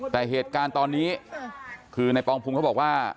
แต่เหตุการณ์ตอนนี้คือในปองพุงเขาบอกว่า